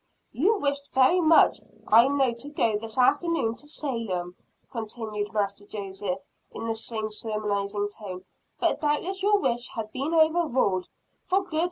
"You wished very much I know to go this afternoon to Salem," continued Master Joseph, in the same sermonizing tone; "but doubtless your wish has been overruled for good.